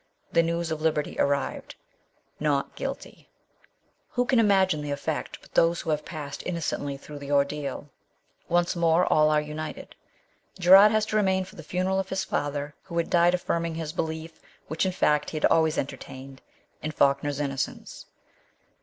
The news of liberty arrived. " Not Guilty !" Who can imagine the effect but those who have passed innocently through the ordeal ? Once more all are united. Gerard has to remain for the funeral of his father, who had died affirming his belief, which in fact he had always enter tained, in Falkner's innocence.